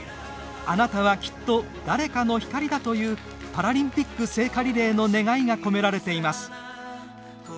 「あなたは、きっと、誰かの光だ。」というパラリンピック聖火リレーの願いが込められています。